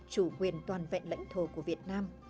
chủ quyền toàn vẹn lãnh thổ của việt nam